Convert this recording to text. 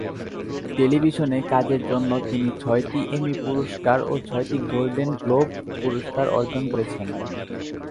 টেলিভিশনে কাজের জন্য তিনি ছয়টি এমি পুরস্কার ও ছয়টি গোল্ডেন গ্লোব পুরস্কার অর্জন করেছেন।